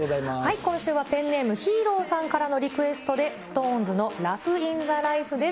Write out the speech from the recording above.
今週はペンネーム、ヒーローさんからのリクエストで、ＳｉｘＴＯＮＥＳのラフ・イン・ザ・ライフです。